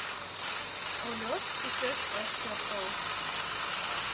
Ольош тушеч ыш пӧртыл.